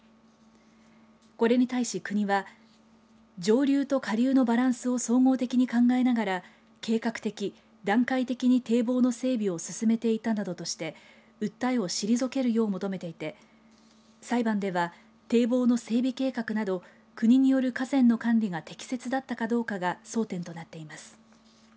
これに対し、国は上流と下流のバランスを総合的に考えながら計画的・段階的に堤防の整備を進めていたなどとして訴えを退けるよう求めていて裁判では堤防の整備計画など国による河川の管理が適切だったかどうかが争点となっています。